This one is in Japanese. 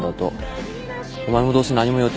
お前もどうせ何も予定ないんだろ。